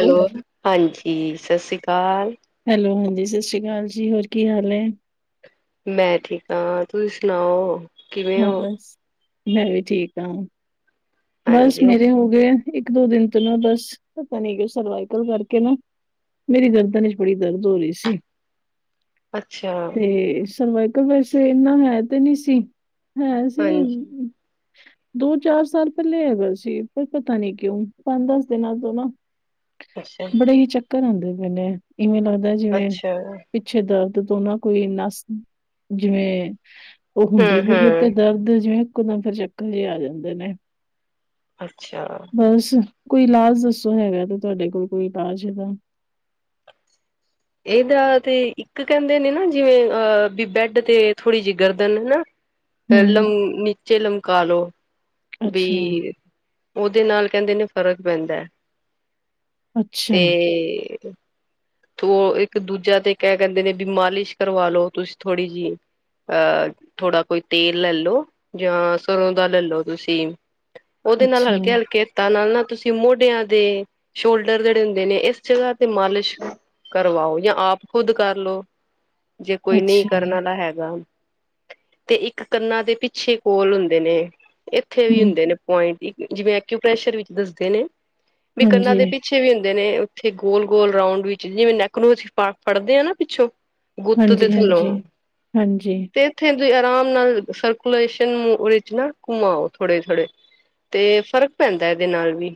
Hello ਹਾਂਜੀ ਸ਼੍ਰਿਸ਼ਰੀ ਅਕਾਲ। ਹੈਲੋ ਹਾਂਜੀ ਸ਼੍ਰਿਸ਼ਰੀ ਅਕਾਲ ਜੀ ਹੋਰ ਕੀ ਹਾਲ ਨੇ ਮੈਂ ਠੀਕ ਹਾਂ ਤੁਸੀਂ ਸੁਣਾਓ? ਕਿਵੇਂ ਹਾਂ ਹੋ ਬਸ ਮੈਂ ਵੀ ਠੀਕ ਹਾ ਬਸ ਹਾਂਜੀ ਮੇਰੇ ਹੋ ਗਏ। ਇੱਕ ਦੋ ਦਿਨ ਤੋਂ ਨਾ ਬਸ ਪਤਾ ਨੀ ਕਿ ਸਰਵਾਈਕਲ ਕਰਕੇ ਨਾ। ਮੇਰੀ ਗਰਦਨ ਵਿੱਚ ਬੜੀ ਦਰਦ ਹੋ ਰਹੀ ਸੀ। ਅੱਛਾ ਤੇ ਸਰਵਾਈਕਲ ਵੈਸੇ ਇਨਾ ਹੈ ਤੇ ਨਹੀ ਸੀ। ਹੈ ਸੀ ਹਾਂਜੀ ਦੋ ਚਾਰ ਸਾਲ ਪਹਿਲੇ ਹੈਗਾ ਸੀ ਪਰ ਪਤਾ ਨੀ ਕਿਉਂ ਪੰਜ ਦਸ ਦਿਨਾਂ ਤੋਂ ਨਾ ਅੱਛਾ ਬੜੇ ਹੀ ਚੱਕਰ ਆਉਂਦੇ ਪਏਨੇ ਇਵੇਂ ਲੱਗਦਾ ਜਿਵੇਂ ਅੱਛਾ ਪਿੱਛੇ ਦਰਦ ਤੋਂ ਨਾ ਕੋਈ ਨਸ ਜਿਵੇਂ ਉਹ ਹਮ ਹੁੰਦੀ ਪਈ ਤੇ ਹਮ ਦਰਦ ਜਿਵੇਂ ਏਕਿਓ ਦਮ ਫਿਰ ਚੱਕਰ ਜਿਹੇ ਆ ਜਾਂਦੇ ਨੇ। ਅੱਛਾ। ਬਸ ਕੋਈ ਇਲਾਜ ਦੱਸੋ ਹੈਗਾ ਤੇ ਤੁਹਾਡੇ ਕੋਲ ਕੋਈ ਇਲਾਜ ਏਦਾ ਇਹਦਾ ਤੇ ਇੱਕ ਕਹਿੰਦੇ ਨੇ ਨਾ ਜਿਵੇਂ ਅ ਵੀ ਬੈਡ ਤੇ ਥੋੜ੍ਹੀ ਜਿਹੀ ਗਰਦਨ ਹਨਾ ਪੇਲਮ ਹੂੰ, ਨੀਚੇ ਲਮਕਾ ਲੋ ਵੀ ਅੱਛਾ, ਓਦੇ ਨਾਲ ਕਹਿੰਦੇ ਨੇ ਫ਼ਰਕ ਪੈਂਦਾ ਅੱਛਾ, ਤੇ ਓ ਇੱਕ ਦੂਜਾ ਤੇ ਕਹਿ ਕਹਿੰਦੇ ਨੇ ਵੀ ਮਾਲਿਸ਼ ਕਰਵਾ ਲੋ ਤੁਸੀਂ ਥੋੜ੍ਹੀ ਜੀ ਆ ਥੋੜ੍ਹਾ ਕੋਈ ਤੇਲ ਲੈ ਲੋ ਜਾਂ ਸਰ੍ਹੋਂ ਦਾ ਲੈ ਲੋ ਤੁਸੀਂ ਓਦੇ ਨਾਲ ਅੱਛਾ, ਹਲਕੇ ਹਲਕੇ ਨਾਲ ਨਾ ਤੁਸੀਂ ਮੋਢਿਆਂ ਦੇ ਸ਼ੋਲਡਰ ਜੇੜੇ ਹੁੰਦੇ ਨੇ ਏਸ ਜਗ੍ਹਾ ਤੇ ਮਾਲਿਸ਼ ਕਰਵਾਓ ਜਾਂ ਆਪ ਖੁਦ ਕਰਲੋ ਜੇ ਕੋਈ ਨਈ ਅੱਛਾ, ਕਰਨ ਵਾਲਾ ਹੈਗਾ ਤੇ ਇੱਕ ਕੰਨਾਂ ਦੇ ਪਿੱਛੇ ਕੋਲ ਹੁੰਦੇ ਨੇ ਇੱਥੇ ਵੀ ਹੂੰ, ਹੁੰਦੇ ਨੇ ਜੀਵੇਂ ਏਕੂਪੈਸ਼ਰ ਵਿੱਚ ਦੱਸਦੇ ਨੇ ਵੀ ਕੰਨਾਂ ਹਾਂਜੀ, ਦੇ ਪਿੱਛੇ ਵੀ ਹੁੰਦੇ ਨੇ ਉੱਥੇ ਗੋਲ ਗੋਲ ਰਾਂਊਡ ਵਿੱਚ ਜਿਵੇਂ ਨੈਕ ਨੂੰ ਅਸੀਂ ਫੜਦੇ ਆ ਨਾ ਪਿੱਛੋਂ ਗੁੱਤ ਦੇ ਹਾਂਜੀ, ਥੱਲੋਂ ਹਾਂਜੀ। ਹਾਂਜੀ, ਤੇ ਥੇ ਆਰਾਮ ਨਾਲ ਸਰਕੂਲੇਸ਼ਨ ਵਿੱਚ ਨਾ ਘੁਮਾਓ ਥੋੜੇ ਥੋੜੇ ਤੇ ਫ਼ਰਕ ਪੈਂਦਾ ਏਦੇ ਨਾਲ ਵੀ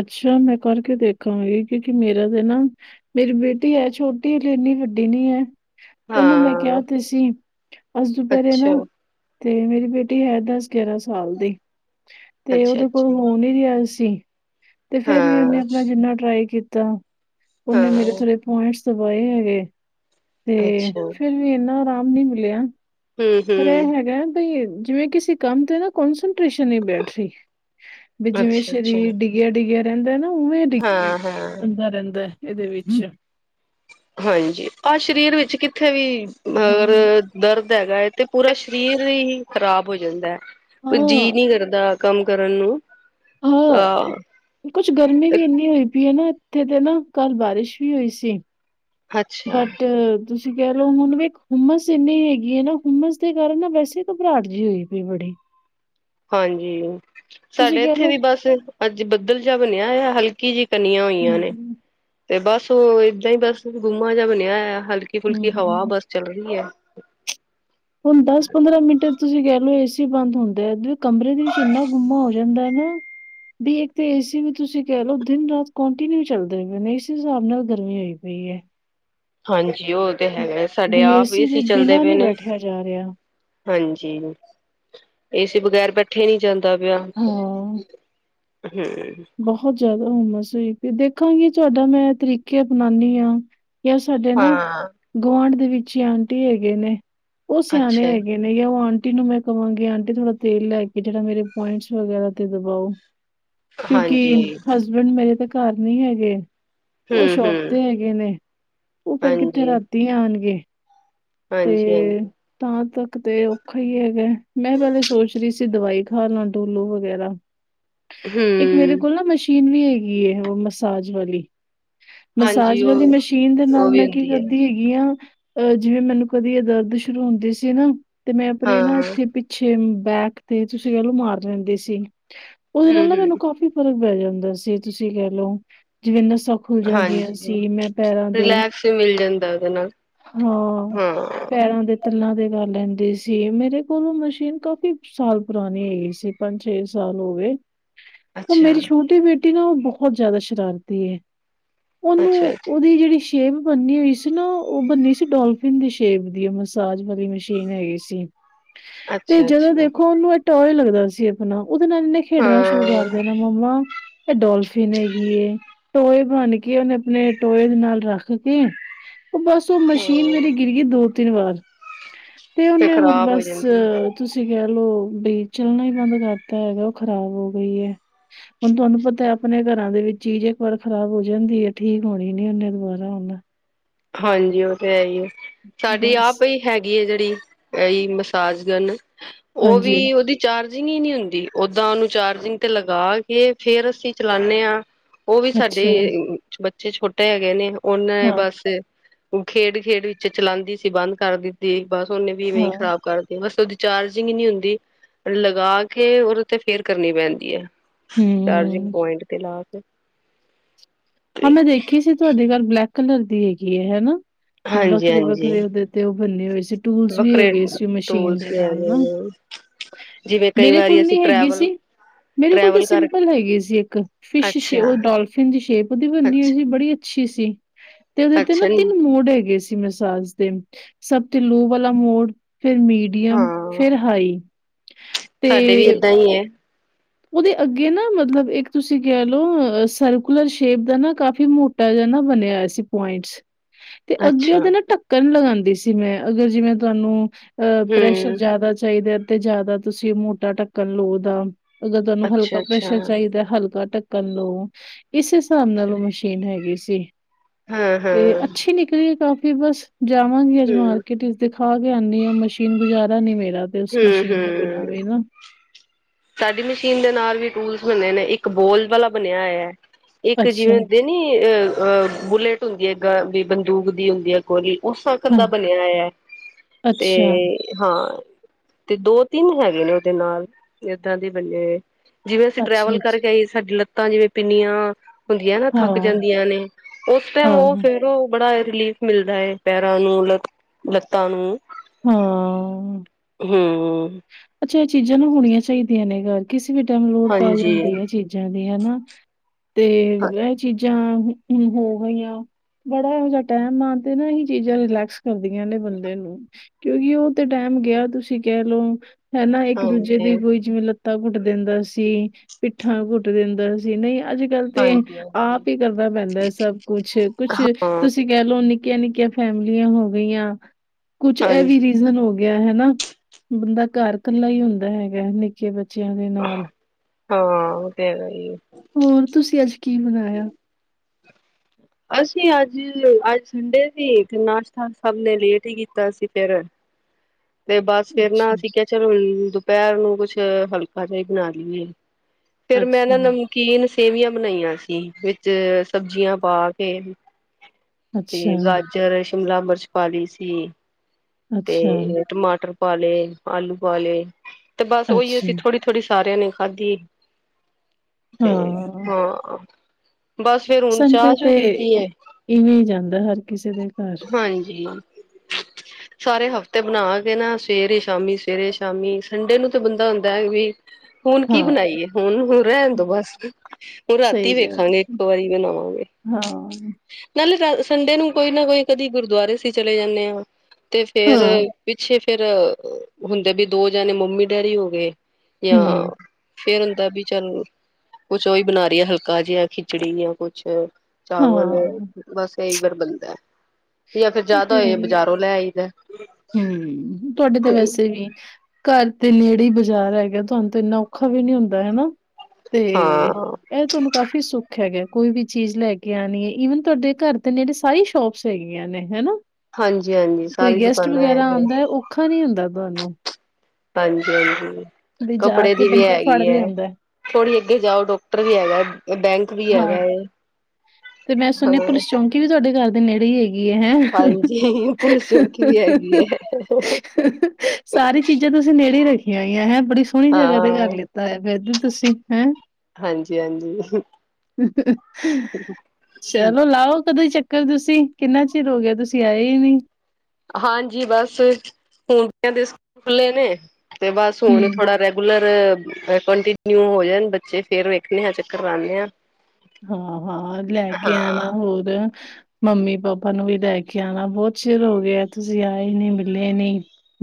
ਅੱਛਾ, ਮੈਂ ਕਰਕੇ ਦੇਖਾਂਗੀ ਕਿਉਂਕਿ ਮੇਰਾ ਤੇ ਨਾ ਮੇਰੀ ਬੇਟੀ ਐ ਛੋਟੀ ਇੰਨੀ ਵੱਡੀ ਨੀ ਹੈ। ਓਨੂੰ ਮੈਂ ਹਾਂ ਕਿਹਾ ਤੇ ਸੀ ਅੱਜ ਦੁਪਹਿਰੇ ਅੱਛਾ, ਨਾ ਤੇ ਮੇਰੀ ਬੇਟੀ ਹੈ ਦਸ ਗਿਆਰਾਂ ਸਾਲ ਦੀ ਤੇ ਅੱਛਾ, ਓਦੇ ਅੱਛਾ ਕੋਲੋ ਹੋ ਨੀ ਰਿਹਾ ਸੀ। ਤੇ ਫੇਰ ਵੀ ਉਨੇ ਹਾਂ, ਆਪਣਾ ਜਿੰਨਾ ਟਰਾਈ ਕੀਤਾ ਉਨੇ ਮੇਰੇ ਹਾਂ ਥੋੜੇ ਪੁਆਇੰਟ ਦਵਾਏ ਹੈਗੇ ਤੇ ਅੱਛਾ ਫਿਰ ਵੀ ਏਨਾ ਆਰਾਮ ਨ ਮਿਲਿਆ ਹੂੰ, ਪਰ ਏ ਹੂੰ ਹੈਗਾ ਬਈ ਜਿਵੇਂ ਕਿਸੇ ਕੰਮ ਤੇ ਨਾ ਕੌਸ ਹੀ ਬੈਠ ਰਹੀ ਵੀ ਜਿਵੇਂ ਅੱਛਾ, ਅੱਛਾ ਸਰੀਰ ਡਿੱਗਿਆ ਡਿੱਗਿਆ ਰਹਿੰਦਾ ਨਾ ਉਵੇਂ ਡਿੱਗ ਹਾਂ, ਹਾਂ ਬਦਾ ਰਹਿੰਦਾ ਇਦੇ ਵਿੱਚ ਹਾਂਜੀ ਆਹ ਸਰੀਰ ਵਿੱਚ ਕਿੱਥੇ ਵੀ ਹਾਂ ਅਗਰ ਦਰਦ ਹੈਗਾ ਐ ਤੇ ਪੂਰਾ ਸਰੀਰ ਹੀ ਖ਼ਰਾਬ ਹੋ ਜਾਂਦਾ ਐ ਕੋਈ ਜੀ ਹਾਂ ਨੀ ਕਰਦਾ ਕੰਮ ਕਰਨ ਨੂੰ ਹਾ ਕੁਛ ਗਰਮੀ ਵੀ ਅਹ ਇੰਨੀ ਹੋਈ ਪਈ ਹੈ, ਨਾ ਇੱਥੇ ਤੇ ਨਾ ਕੱਲ ਬਾਰਿਸ਼ ਵੀ ਹੋਈ ਸੀ ਅੱਛਾ ਬਟ ਤੁਸੀਂ ਕਹਿ ਲਓ ਹੁਣ ਵੀ ਹੁੰਮਸ ਇੰਨੀ ਹੈਗੀ ਏ ਨਾ ਹੁੁੰਮਸ ਦੇ ਕਾਰਨ ਨਾ ਵੈਸੇ ਘਬਰਾਹਟ ਜੀ ਹੋਈ ਪਈ ਬੜੀ ਹਾਂਜੀ ਤੁਸੀਂ ਸਾਡੇ ਕਹਿ ਇੱਥੇ ਲਓ ਵੀ ਬਸ ਅੱਜ ਬੱਦਲ ਜਾ ਬਣਿਆ ਐ ਹਲਕੀ ਜੀ ਤਨੀਆਂ ਹੋਈਆਂ ਨੇ ਹੂੰ ਤੇ ਬਸ ਓ ਏਦਾਂ ਹੀ ਬਸ ਗੁੰਮਾ ਜਿਹਾ ਬਣਿਆ ਐ ਹਲ ਹਲਕੀ ਫੁਲਕੀ ਹਵਾ ਹੂੰ ਬਸ ਚੱਲ ਰਹੀ ਐ ਹੁਣ ਦਸ ਪੰਦਰਾਂ ਮਿੰਟ ਤੁਸੀਂ ਕਹਿ ਲਓ ਏਸੀ ਬੰਦ ਹੁੰਦੇ ਆ, ਕਮਰੇ ਦੇ ਵਿੱਚ ਏਨਾ ਗੁੰਮ ਹੋ ਜਾਂਦਾ ਐ ਨਾ ਵੀ ਇੱਕ ਏ ਸੀ ਵੀ ਤੁਸੀਂ ਕਹਿ ਲੋ ਦਿਨ ਰਾਤ ਕੋਂਟੀਨਿਊ ਚੱਲਦੇ ਪਏ ਨੇ ਏਸ ਹਿਸਾਬ ਨਾਲ ਗਰਮੀ ਹੋਈ ਪਈ ਹੈ ਹਾਂਜੀ ਓ ਤੇ ਹੈਗਾ ਸਾਡੇ ਵੀ ਆਪ ਦੇ ਏਸੀ ਚੱਲਦੇ ਬਿਨਾਂ ਪਏ ਨਹੀਂ ਨੇ ਬੈਠਿਆ ਜਾ ਰਿਹਾ ਹਾਂ ਜੀ ਏਸੀ ਬਗੈਰ ਉਠਿਆਂ ਨੀ ਜਾਂਦਾ ਪਿਆ ਹਾਂ ਹੂੰ ਬਹੁਤ ਜ਼ਿਆਦਾ ਹੁੰਮਸ ਹੋਈ ਪਈ ਦੇਖਾਂਗੀ ਤੁਹਾਡਾ ਮੈਂ ਤਰੀਕੇ ਅਪਣਾਦੀ ਹਾਂ ਜਾਂ ਸਾਡੇ ਨਾ ਹਾਂ ਗੁਆਂਢ ਦੇ ਵਿੱਚ ਈ ਆਂਟੀ ਹੈਗੇ ਨੇ ਓ ਸਿਆਣੇ ਅੱਛਾ ਹੈਗੇ ਮੈਂ ਕਿਹਾ ਉਹ ਆਂਟੀ ਨੂੰ ਮੈਂ ਕਵਾਗੀ ਆਂਟੀ ਥੋੜਾ ਤੇਲ ਲੈ ਕੇ ਜੇੜਾ ਮੇਰੇ ਪੁਆਇੰਟਸ ਵਗੈਰਾ ਤੇ ਦਬਾਓ ਕਿਉਂਕਿ ਹਾਂਜੀ, ਹਸਬੈਂਡ ਮੇਰੇ ਤਾਂ ਘਰ ਨੀ ਹੈਗੇ ਉਹ ਸ਼ੋਪ ਹੂੰ-ਹੂੰ, ਤੇ ਗੇ ਨੇ ਉਹ ਫੇਰ ਕਿੱਥੇ ਹਾਂਜੀ। ਰਾਤੀ ਆਣਗੇ ਤੇ ਹਾਂਜੀ-ਹਾਂਜੀ, ਤਾਂ ਤੱਕ ਤੇ ਔਖਾ ਈ ਹੈਗਾ ਮੈਂ ਪਹਿਲੇ ਸੋਚ ਰਹੀ ਸੀ ਦਵਾਈ ਖਾ ਲਾਂ ਡੋਲੂ ਵਗੈਰਾ ਇੱਕ ਮੇਰੇ ਹੂੰ, ਕੋਲ ਨਾ ਮਸ਼ੀਨ ਵੀ ਹੈਗੀ ਓ ਮਸਾਜ ਵਾਲੀ ਹਾਂਜੀ ਮਸਾਜ ਉਹ ਵਾਲੀ ਮਸ਼ੀਨ ਦੇ ਉਹ ਨਾਲ ਵੀ ਮੈਂ ਕੀ ਹੁੰਦੀ ਹੈ, ਕਰਦੀ ਹੈਗੀ ਆਂ ਜਿਵੇਂ ਮੈਨੂੰ ਕਦੀ ਏ ਦਰਦ ਸ਼ੁਰੂ ਹੁੰਦੀ ਸੀ, ਨਾ ਤੇ ਮੈਂ ਆਪਣੀ ਨਾ ਹਾਂ, ਇੱਥੇ ਪਿੱਛੇ ਪਿੱਛੇ ਬੈਕ ਤੇ ਤੁਸੀਂ ਕਹਿ ਲਓ ਮਾਰ ਲੈਂਦੇ ਸੀ ਉਦੇ ਨਾਲ ਨਾ ਮੈਨੂੰ ਹੂੰ-ਹੂੰ, ਕਾਫੀ ਫ਼ਰਕ ਪੈ ਜਾਂਦਾ ਸੀ ਤੁਸੀਂ ਕਹਿਲੋ ਜੀਵੇਨਸਾ ਖੁੱਲ ਜਾਂਦੀਆਂ ਹਾਂਜੀ। ਸੀ ਮੈਂ ਪੈਰਾਂ ਦੇ ਰਿਲੈਕਸ ਵੀ ਮਿਲ ਜਾਂਦਾ ਉਹਦੇ ਨਾਲ, ਹਾਂ। ਹਾਂ, ਪੈਰਾਂ ਦੇ ਤਲਾਂ ਤੇ ਕਰ ਲੈਂਦੀ ਸੀ। ਮੇਰੇ ਕੋਲੋਂ ਮਸ਼ੀਨ ਕਾਫੀ ਸਾਲ ਪੁਰਾਣੀ ਹੈਗੀ ਸੀ। ਪੰਜ-ਛੇ ਸਾਲ ਹੋਗੇ। ਉਹ ਅੱਛਾ। ਮੇਰੀ, ਛੋਟੀ ਬੇਟੀ ਨਾ ਉਹ ਬਹੁਤ ਜ਼ਿਆਦਾ ਸ਼ਰਾਰਤੀ ਹੈ ਓ ਅੱਛਾ। ਉਹਦੀ, ਜਿਹੜੀ ਸ਼ੇਪ ਬੰਨੀ ਹੋਈ ਸੀ ਨਾ, ਉਹ ਬਨੀ ਹੋਈ ਸੀ ਡੋਲਫਿਨ ਦੀ ਸ਼ੇ ਸ਼ੇਪ ਦੀ, ਮਸਾਜ ਵਾਲੀ ਮਸ਼ੀਨ ਹੈਗੀ ਸੀ। ਤੇ ਜਦੋਂ ਅੱਛਾ-ਅੱਛਾ, ਦੇਖੋ ਉਹਨੂੰ ਟੋਏ ਲੱਗਦਾ ਸੀ, ਆਪਣਾ ਉਹਦੇ ਨਾਲ ਇਹਨੇ ਖੇਡਣਾ ਸ਼ੁਰੂ ਕਰ ਹਾਂ, ਦੇਨਾ ਮ੍ਮਾ। ਇਹ ਡੋਲਫਿਨ ਹੈਗੀ ਏ, ਟੋਏ ਬਣ ਕੇ ਉਹਨੇ ਆਪਣੇ ਟੋਏ ਦੇ ਨਾਲ ਰੱਖ ਕੇ ਉਹ ਬਸ, ਉਹ ਮਸ਼ੀਨ ਹਾਂ। ਮੇਰੀ ਗਿਰ ਗਈ ਦੋ-ਤਿੰਨ ਵਾਰ ਤੇ ਉਹਨੇ ਹੁਣ ਖ਼ਰਾਬ ਹੋ ਬਸ। ਜਾਂਦੀ ਹੈ। ਤੁਸੀਂ ਕਹਿ ਲੋਓ ਬਈ, ਚੱਲਣਾ ਹੀ ਬੰਦ ਕਰਤਾ ਹੈਗਾ, ਉਹ ਖ਼ਰਾਬ ਹੋ ਗਈ ਹੈ ਹੁਣ ਤੁਹਾਨੂੰ ਪਤਾ, ਆਪਣੇ ਘਰਾਂ ਦੇ ਵਿੱਚ ਚੀਜ਼ ਇੱਕ ਵਾਰ ਖ਼ਰਾਬ ਹੋ ਜਾਂਦੀ ਹੈ, ਠੀਕ ਹੋਣੀ ਨੀ ਉਹਨੇ ਦੁਬਾਰਾ ਹੁਣ ਹਾਂਜੀ, ਉਹ ਤੇ ਹੈ, ਹੀ ਸਾਡੀ ਆਪ ਬਸ, ਹੀ ਹੈਗੀ ਹੈ ਜਿਹੜੀ, ਅ ਮਸਾਜ ਗਨ ਉਹ ਹਾਂਜੀ, ਵੀ ਉਹਦੀ ਚਾਰਜਿੰਗ ਹੀ ਨਹੀਂ ਹੁੰਦੀ, ਓਦਾਂ ਉਹਨੂੰ ਚਾਰਜਿੰਗ ਤੇ ਲਗਾ ਕੇ, ਫੇਰ ਅਸੀਂ ਚਲਾਉਦੇ ਹਾਂ ਉਹ ਵੀ, ਅੱਛਾ, ਸਾਡੇ ਬੱਚੇ ਛੋਟੇ ਹੈਗੇ ਨੇ ਉਹਨਾਂ, ਨੇ ਹਾਂ, ਬਸ ਉਹ, ਖੇਡ- ਖੇਡ ਵਿੱਚ ਚਲਾਉਂਦੀ ਸੀ, ਬੰਦ ਕਰ ਦਿੱਤੀ ਬਸ ਉਹਨੇ ਵੀ, ਇਵੇਂ ਹਾਂ, ਖਰਾਬ ਕਰ ਬਸ, ਉਹਦੀ ਚਾਰਜਿੰਗ ਨਹੀਂ ਹੁੰਦੀ, ਲਗਾ ਕੇ ਉਹਦੇ ਤੇ ਫੇਰ ਕਰਨੀ ਪੈਂਦੀ ਹੈ ਹਮ ਚਾਰਜਿੰਗ, ਪੁਆਇੰਟ ਤੇ ਲਾ ਕੇ ਹਾਂ ਮੈਂ, ਦੇਖੀ ਸੀ ਤੁਹਾਡੇ ਘਰ ਬਲੈਕ ਕਲਰ ਦੀ ਹੈਗੀ ਹੈ, ਹਨਾ ਹਾਂਜੀ ਵੱਖਰੇ ਹਾਂਜੀ ਵੱਖਰੇ ਉਹਦੇ ਤੇ ਉਹ ਬਣੇ ਹੋਏ ਸੀ, ਟੂਲਸ ਵੀ ਵੱਖਰੇ ਹੈਗੇ ਸੀ, ਮਸ਼ੀਨ ਦੇ ਟੂਲਸ ਵੀ ਨਾਲ ਨਾ ਹੈਗੇ ਨੇ ਜਿਵੇਂ ਕਈ ਮੇਰੇ ਵਾਰੀ ਕੋਲ, ਅਸੀਂ ਨਹੀਂ ਹੈਗੀ ਟਰੈਵਲ ਸੀ ਮੇਰੇ ਕੋਲ ਤਾਂ, ਟਰੈਵਲ ਕਰ ਸਿੰਪਲ ਹੈਗੀ ਸੀ ਇੱਕ ਫਿਸ਼ ਸ਼ ਅੱਛਾ ਡੋਲਫਿਨ ਦੀ ਸ਼ੇਪ ਬਣੀ ਹੋਈ ਅੱਛਾ ਸੀ, ਬੜੀ ਅੱਛੀ ਸੀ ਤੇ ਉਹਦੇ ਤੇ ਨਾ, ਅੱਛਾ ਤਿੰਨ ਮੋਡ ਹੈਗੇ ਸੀ। ਮਸਾਜ ਦੇ, ਸਭ ਤੇ ਲੂਹ ਵਾਲਾ ਮੋੜ ਫਿਰ ਮੀਟ। ਲੀਅਮ ਫਿਰ ਹਾਂ ਹਾਈ। ਸਾਡੇ ਵੀ, ਤੇ ਏਦਾਂ ਹੀ ਆ ਉਹਦੇ ਅੱਗੇ ਨਾ, ਮਤਲਬ ਇੱਕ ਤੁਸੀਂ ਕਹਿ ਲਓ ਸਰਕੂਲਰ ਸ਼ੇਪ ਦਾ ਨਾ, ਕਾਫੀ ਮੋਟ ਪਹਿਲੇ ਨਾ, ਬਣਿਆ ਸੀ ਪੁਆਇੰਟਸ। ਤੇ ਅੱਗੇ ਅੱਛਾ ਉਹਦੇ ਨਾ, ਢੱਕਣ ਲਗਾਉਂਦੀ ਸੀ ਮੈਂ, ਅਗਰ ਜਿਵੇਂ ਤੁਹਾਨੂੰ ਅ ਪ੍ਰੈਸ਼ਰ ਹਮ ਜ਼ਿਆਦਾ ਚਾਹੀਦਾ, ਤੇ ਜਿਆਦਾ ਤੁਸੀਂ ਮੋਟਾ ਢੱਕਣ ਲਓ ਉਹਦਾ। ਅਗਰ ਤੁਹਾਨੂੰ ਅੱਛਾ ਹਲਕਾ ਅੱਛਾ ਪ੍ਰੈਸ਼ਰ ਚਾਹੀਦਾ, ਹਲਕਾ ਢੱਕਣ ਲੋ ਇਸ ਹਿਸਾਬ, ਨਾਲ ਅੱਛਾ ਉਹ ਮਸ਼ ਕਠਿਨ ਹੈਗੀ ਸੀ, ਹਾਂ ਹਾਂ ਤੇ ਹਮ ਅੱਛੀ ਨਿਕਲੀ ਹੈ ਕਾਫੀ ਬਸ। ਜਾਵਾਂਗੀ, ਅੱਜ ਮਾਰਕੀਟ ਵਿਚ ਦਿਖਾ ਕੇ ਆਂਦੀ ਆ ਮਸ਼ੀਨ, ਗੁਜ਼ਾਰਾ ਨੀ ਮੇਰਾ। ਤੇ ਇਸ ਹਮ ਮਸ਼ੀਨ, ਦੇ ਬਿਨਾਂ ਹਮ ਵੀ ਨਾ- ਸਾਡੀ ਮਸ਼ੀਨ ਦੇ ਨਾਲ ਵੀ, ਟੂਲਸ ਬਨੇ ਇੱਕ ਬੋਲ ਵਾਲਾ ਬਣਿਆ ਹੋਇਆ, ਇੱਕ ਅੱਛਾ ਜਿਵੇਂ ਦਿਨ। ਨਹੀਂ ਅ-ਅ ਬੁਲੇਟ ਹੁੰਦੀ ਆ, ਅਗੇ ਬੰਦੂਕ ਵੀ ਹੁੰਦੀ ਹੈ। ਗੋਲੀ, ਉਸ ਵਾਕਣ ਹਾਂ ਦਾ ਬਣਿਆ ਹੈ ਤੇ ਅੱਛਾ ਤੇ ਹਾਂ, ਦੋ-ਤਿੰਨ ਹੈਗੇ ਨੇ ਉਹਦੇ ਨਾਲ ਏਦਾਂ ਦੇ ਬੰਨੇ ਹੋਏ। ਜਿਵੇਂ ਅਸੀਂ, ਟਰੈਵਲ ਅੱਛਾ-ਅੱਛਾ ਕਰਕੇ ਆਈਏ ਸਾਡੀ ਲੱਤਾਂ ਜਿਵੇਂ ਪਿੰਨੀਆਂ ਹੁੰਦੀਆਂ ਨਾ, ਥੱਕ ਹਾਂ, ਜਾਂਦੀਆਂ ਨੇ ਉਸ ਟਾਈਮ, ਉਹ ਹਾਂ, ਫੇਰ ਬੜਾ ਰਿਲੀਫ਼, ਮਿਲਦਾ ਹੈ ਪੈਰਾਂ ਨੂੰ ਲਤ ਲੱਤਾਂ ਨੂੰ। ਹਾਂ, ਹੂੰ ਅੱਛਾ ਇਹ ਚੀਜ਼ਾਂ ਨਾ ਹੋਣੀਆਂ ਚਾਹੀਦੀਆਂ ਨੇ ਘਰ। ਕਿਸੇ ਵੀ ਟਾਈਮ ਲੋੜ, ਪੈ ਹਾਂਜੀ ਜਾਂਦੀ ਹੈ ਚੀਜ਼ਾਂ ਦੀ ਹਨਾ। ਤੇ ਹਾਂਜੀ ਇਹ ਚੀਜ਼ਾਂ ਹੁਣ ਹੋ ਗਈਆਂ। ਬੜਾ ਇਹੋ ਜਿਹਾ ਟਾਈਮ ਆ ਜਾਏ, ਇਹੀ ਚੀਜ਼ਾਂ ਰਿਲੈਕਸ ਹੁੰਦੀਆਂ ਨੇ ਬੰਦੇ ਨੂੰ, ਕਿਉਂਕਿ ਉਹ ਤੇ ਟੈਮ ਗਿਆ, ਤੁਸੀਂ ਕਹਿ ਲਓ। ਹੈਨਾ, ਇੱਕ- ਦੂਜੇ ਹਾਂਜੀ ਦੀ ਕੋਈ ਜੀਵੇ ਲ ਲਤਾ ਕੁੱਟ ਦਿੰਦਾ ਸੀ, ਪਿੱਠਾਂ ਕੁੱਟ ਦਿੰਦਾ ਸੀ, ਨਈ ਅੱਜ ਪਹਿਲੇ ਤੇ, ਹਾਂਜੀ ਆਪ ਈ ਕਰਨਾ ਪੈਂਦਾ, ਸਭ ਕੁਛ- ਕੁਛ ਤੁਸੀਂ ਹਾਂ ਤੁਸੀ ਕੈ ਲੋ ਨਿੱਕੀਆਂ ਨਿੱਕੀਆਂ ਫੈਮਲੀਆਂ ਹੋ ਗਈਆਂ ਕੁਛ ਏਹ ਵੀ ਹਾਂਜੀ ਰੀਜ਼ਨ ਹੋ। ਗਿਆ ਹੈਨਾ? ਬੰਦਾ ਘਰ ਕੱਲਾ ਹੀ ਹੁੰਦਾ ਹੈਗਾ ਨਿੱਕੇ ਬੱਚਿਆਂ ਦੇ ਨਾਲ। ਹਾਂ ਔ ਤੇ ਹੈਗਾ ਈ ਏ। ਹੋਰ ਤੁਸੀਂ ਅੱਜ ਕੀ ਬਨਾਯਾ। [inaudible] ਅਸੀਂ ਅੱਜ ਅੱਜ ਸੰਡੇ ਸੀ ਤੇ ਨਾਸ਼ਤਾ ਸਭ ਨੇ ਲੇਟ ਹੀ ਕੀਤਾ ਸੀ। ਫੇਰ ਤੇ ਬਸ ਫੇਰ ਨਾ ਅੱਛਾ, ਅਸੀਂ ਕਿਆਂ ਚਲੋ। ਦਪੈਰ ਨੂੰ ਕੁਛ ਹਲਕਾ ਜੀ ਈ ਬਣਾ ਲੀਏ ਫੇਰ ਮੈਂ ਨਾ ਅੱਛਾ, ਨ ਕੀਨ ਸੇਵੀਆਂ ਬਣਾਈਆਂ ਸੀ ਵਿਚ ਸਬਜ਼ੀਆਂ ਪਾ ਕੇ। ਤੇ ਅੱਛਾ, ਗਾਜਰ ਸ਼ਿਮਲਾ ਮਰਚ ਪਾ ਲਈ ਸੀ ਅੱਛਾ, ਤੇ ਟਮਾਟਰ। ਪਾ ਲਏ ਆਲੂ ਪਾ ਲਏ ਤੇ ਬਸ ਉਹੀਓ ਅੱਛਾ, ਅਸੀਂ ਥੋੜੀ। ਥੋੜ੍ਹੀ ਸਾਰਿਆਂ ਨੇ ਖਾਧੀ ਤੇ ਹਾਂ। ਹਾਂ। ਬਸ ਫੇਰ ਹੁਣ ਚਾਹ ਸੰਡੇ ਚੂ ਤੇ ਪੀਤੀ ਹੈ ਇ ਇਵੇਂ ਹੀ ਜਾਂਦਾ ਹਰ ਕਿਸੇ ਦੇ ਘਰ। ਹਾਂਜੀ। [inaudible] ਸਾਰੇ ਹਫ਼ਤੇ ਬਣਾ ਕੇ ਨਾ ਸਵੇਰੇ ਸ਼ਾਮੀ ਸਵੇਰੇ ਸ਼ਾਮੀ ਸੰਡੇ ਨੂੰ ਤਾਂ ਬੰਦਾ ਹੁੰਦਾ ਹੈ ਵੀ। ਹੁਣ ਕੀ ਹਾਂ, ਬਣਾਈਏ ਹੁਣ ਹੁ ਰਹਿਣ ਦੋ ਬਸ ਹੁਨ ਰਾਤੀ। ਸਹੀ ਰਾਤੀ ਗੱਲ ਵੇਖਾਂਗੇ ਏ। ਇੱਕੋ ਵਾਰੀ ਬਣਾਵਾਂਗੇ। ਹਾਂ, ਨਾਲੇ ਸੰਡੇ ਨੂੰ ਕੋਈ ਨਾ ਕੋਈ ਕਦੀ ਗੁਰਦੁਆਰੇ ਅਸੀਂ ਚਲੇ ਜਾਂਦੇ ਹਾਂ ਤੇ ਫੇਰ। ਹਾਂ, ਪਿੱਛੇ ਫੇਰ ਹੁੰਦੇ ਵੀ ਦੋ ਜਣੇ ਮੰਮੀ ਡੈਡੀ ਹੋ ਗਏ ਜਾਂ। ਹੂੰ, ਫੇਰ ਹੁੰਦਾ ਵੀ ਚੱਲ ਕੁਛ ਉਹੀ ਬਣਾ ਲਈਏ ਹਲਕਾ ਜਿਹਾ ਖਿਚੜੀ ਜਾਂ ਕੁਛ। ਚਾਵਲ ਹਾਂ, ਬਸ ਇਹੀ ਵਰ ਬਣਦਾ। ਜਾਂ ਫਿਰ ਉਹ ਜਾਦਾ ਤੇ ਹੈ ਹੋਏ ਹੀ ਏ। ਬਾਜ਼ਾਰੋਂ ਲੈ ਆਈਦਾ। ਹੂੰ, ਤੁਹਾਡੇ [inaudible] ਘਰ ਦੇ ਨੇੜੇ ਈ ਬਾਜ਼ਾਰ ਹੈਗਾ ਤੁਆਨੂੰ ਤੇ ਇੰਨਾ ਔਖਾ ਵੀ ਨੀ ਹੁੰਦਾ ਹੈਨਾ ਤੇ। ਹਾਂ ਐ ਤੁਆਨੂੰ ਕਾਫ਼ੀ ਸੁੱਖ ਹੈਗਾ ਕੋਈ ਵੀ ਚੀਜ਼ ਲੈ ਕੇ ਆੱਣੀ ਵੇ ਈਵਨ ਤੁਆਡੇ ਘਰ ਦੇ ਨੇੜੇ ਸਾਰੀ ਸ਼ੋਪਸ ਹੈਗੀ। ਨੇ ਹੈਨਾ ਹਾਂਜੀ ਹਾਂਜੀ ਸਾਰੀ ਕੋਈ ਗੈਸਟ ਦੁਕਾਨਾਂ ਵਗੈਰਾ ਹੈਗੀਆਂ ਆੰਦਾ ਔਖਾ ਨੀ ਹੁੰਦਾ ਤੁਹਾਨੂੰ। ਹਾਂਜੀ ਹਾਂਜੀ ਵੀ ਜਾ ਕੱਪੜੇ ਕੇ ਦੀ ਵੀ ਬੰਦਾ ਫੜ ਹੈਗੀ ਐ। ਲਿਆਂਦਾ। ਥੋੜੀ ਅੱਗੇ ਜਾਓ ਡੋਕਟਰ ਵੀ ਹੈਗਾ ਬੈਂਕ ਵੀ ਹਾਂ, ਹੈਗਾ ਏ। ਤੇ ਮੈਂ ਸੁਣੀਆ ਪੁਲਿਸ ਚੋਂਕੀ ਵੀ ਤੁਆਡੇ ਘਰ ਦੇ ਨੇੜੇ ਹੀ ਹੈਗੀ। ਕੀ ਏ ਹੈ। ਹਾਂਜੀ ਪੁਲਿਸ ਚੌਂਕੀ ਵੀ ਹੈਗੀ ਹੈ ਸਾਰੀ ਚੀਜ਼ਾਂ ਤੁਸੀਂ ਨੇੜੇ ਰੱਖੀਆਂ ਹੋਈਆਂ ਹੈਂ ਬੜੀ ਸੋਹਣੀ ਜਗ੍ਹਾ ਤੇ ਘਰ ਹਾਂ ਲੀਤਾ। ਤਾਂ [unintelligible] ਤੁਸੀਂ ਹੈਂ। ਹਾਂਜੀ ਹਾਂਜੀ ਚਲੋ ਲਾਓ ਕਦੇ ਚੱਕਰ। ਕ ਤੁਸੀਂ ਕਿੰਨਾ ਚਿਰ ਹੋ ਗਿਆ ਤੁਸੀਂ ਆਏ ਹੀ ਨੀ। ਹਾਂਜੀ ਬਸ ਹੁਣ ਸਕੂਲ ਖੁੱਲ੍ਹੇ ਨੇ ਤੇ ਬਸ ਹੁਣ ਹੂੰ। ਥੋੜਾ ਰ ਲਰ ਕੰਟੀਨਿਊ ਹੋ ਜਾਣ ਬੱਚੇ ਫੇਰ ਵੇਖਨੇ ਆਂ ਚੱਕਰ ਲਾਨੇ ਆ। ਹਾਂ ਹਾਂ ਲੈ ਕੇ ਹਾਂ ਆਣਾ ਹੋਰ। ਮੰਮੀ ਪਾਪਾ ਨੂੰ ਵੀ ਲੈ ਕੇ ਆਣਾ ਬੋਤ ਚਿਰ ਹੋ ਗਿਆ ਤੁਸੀਂ ਆਏ ਹੀ ਨੀ ਮਿਲੇ ਨੀ।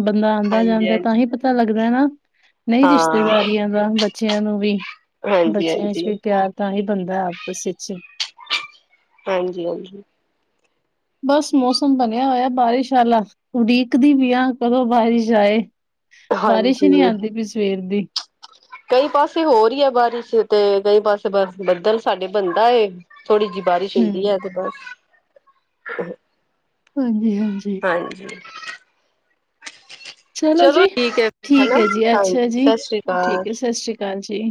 ਬੰਦਾ ਆਂਦਾ ਹਾਂਜੀ ਜਾਂਦਾ ਤਾਂ ਹਾਂਜੀ ਹੀ ਪਤਾ ਲੱਗਦਾ ਨਾ। ਨਈ ਹਾਂ ਰਿਸ਼ਤੇਦਾਰੀਆਂ ਦਾ ਬੱਚਿਆਂ ਨੂੰ ਵੀ ਹਾਂਜੀ ਹਾਂਜੀ ਬੱਚਿਆਂ ਚ ਵੀ ਹਾਂਜੀ ਪਿਆਰ ਤਾਂ ਹੀ ਬਣਦਾ ਆਪਸ ਵਿੱਚ। ਹਾਂਜੀ ਹਾਂਜੀ। ਬਸ ਮੌਸਮ ਬਣਿਆ ਹੋਇਆ ਬਾਰਿਸ਼ ਆਲਾ ਉਡੀਕਦੀ ਪਈ ਆ ਕਦੋਂ ਬਾਰਿਸ਼ ਆਏ। ਬਾਰਿਸ਼ ਹੀ ਨੀ ਹਾਂਜੀ ਆਂਦੀ ਪਈ ਸਵੇਰ ਦੀ। ਕਈ ਪਾਸੇ ਹੋ ਰੀ ਆ ਬਾਰਿਸ਼ ਤੇ ਕਈ ਪਾਸੇ ਬਸ ਬੱਦਲ ਸਾਡੇ ਬਣਦਾ ਏ। ਥੋੜ੍ਹੀ ਜੀ ਬਾਰਿਸ਼ ਹੋਦੀ ਹੂੰ ਹੈ ਤੇ ਬਸ। ਹਾਂਜੀ ਹਾਂਜੀ। ਹਾਂਜੀ। ਚਲੋ ਜੀ ਠੀਕ ਹੈ ਠੀਕ ਹਨਾ ਹੈ ਜੀ ਅੱਛਾ ਹਾਂਜੀ ਜੀ ਸਤਿ ਸ੍ਰੀ ਅਕਾਲ ਠੀਕ ਹੈ ਸਤਿ ਸ਼੍ਰੀ ਅਕਾਲ ਜੀ।